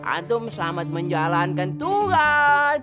antum selamat menjalankan turan